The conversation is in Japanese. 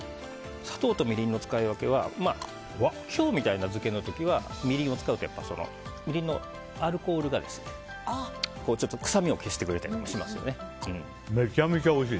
砂糖とみりんの使い分けは今日みたいな漬けの時はみりんを使うとみりんのアルコールがめちゃめちゃおいしい。